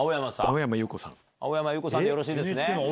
青山祐子さんでよろしいですね？